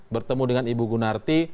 bertemu dengan ibu gunarti